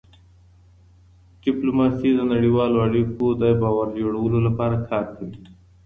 ډيپلوماسي د نړیوالو اړیکو د باور جوړولو لپاره کار کوي.